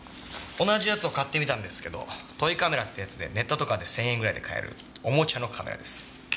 同じやつを買ってみたんですけどトイカメラってやつでネットとかで１０００円ぐらいで買えるおもちゃのカメラです。